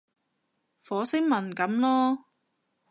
火星文噉囉